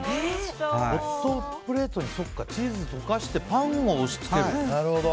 ホットプレートにチーズを溶かしてパンを押し付ける。